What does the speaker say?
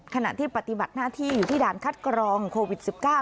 ขณะที่ปฏิบัติหน้าที่อยู่ที่ด่านคัดกรองโควิด๑๙